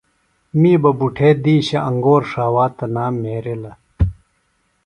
می بہ بُٹھے دِیشہ انگور ݜاوا تنام مھیرلہ